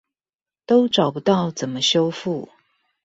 都找不到怎麼修復